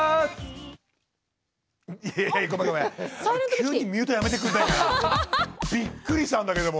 急にミュートやめてくれないかな。びっくりしたんだけども。